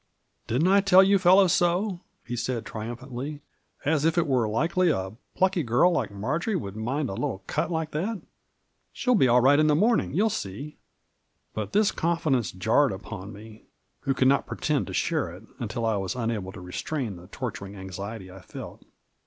" Didn't I tell you fellows so ?" he said, triumphantly ; "as if it was likely a plucky girl like Mar jory would mind a little cut like that. She'll be all right in the morning, you see !" But this confidence jarred upon me, who could not pretend to share it, until I was imable to restrain the torturing anxiety I felt.